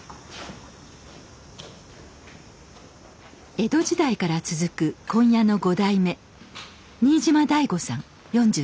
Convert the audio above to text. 江戸時代から続く紺屋の５代目新島大吾さん４５歳です。